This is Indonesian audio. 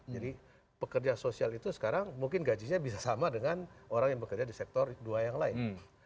jadi pekerja sosial itu sekarang mungkin gajinya bisa sama dengan orang yang bekerja di sektor dua yang lain